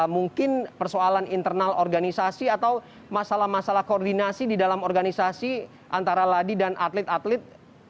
mungkin persoalan internal organisasi atau masalah masalah koordinasi di dalam organisasi antara ladi dan atlet atlet